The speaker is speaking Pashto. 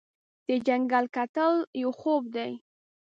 د جنګ ګټل یو خوب دی.